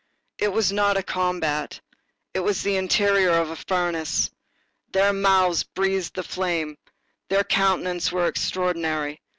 It was not a combat, it was the interior of a furnace; there mouths breathed the flame; there countenances were extraordinary.